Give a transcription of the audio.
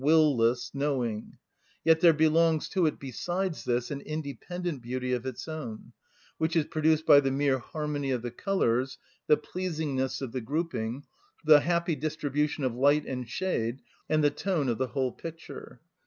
_, will‐less, knowing, there yet belongs to it besides this an independent beauty of its own, which is produced by the mere harmony of the colours, the pleasingness of the grouping, the happy distribution of light and shade, and the tone of the whole picture.